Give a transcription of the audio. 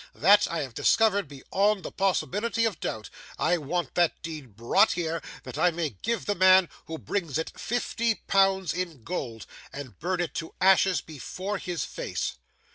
THAT I have discovered beyond the possibility of doubt. I want that deed brought here, that I may give the man who brings it fifty pounds in gold, and burn it to ashes before his face.